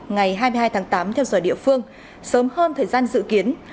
ngày hai mươi hai tháng tám theo giờ địa phương sớm hơn thời gian dự kiến